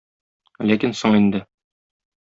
Ләкин соң инде.